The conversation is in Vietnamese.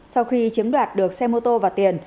sau khi chiếm đoạt được xe mô tô và tiền